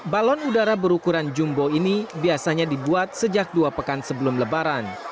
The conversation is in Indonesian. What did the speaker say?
balon udara berukuran jumbo ini biasanya dibuat sejak dua pekan sebelum lebaran